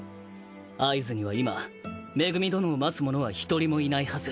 会津には今恵殿を待つ者は一人もいないはず。